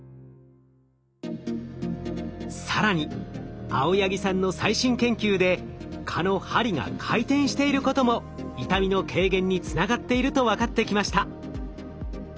更に青柳さんの最新研究で蚊の針が回転していることも痛みの軽減につながっていると分かってきました。